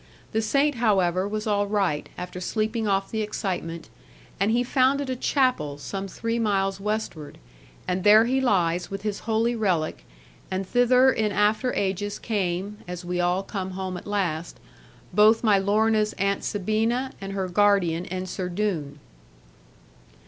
The saint, however, was all right, after sleeping off the excitement; and he founded a chapel, some three miles westward; and there he lies with his holy relic and thither in after ages came (as we all come home at last) both my Lorna's Aunt Sabina, and her guardian Ensor Doone.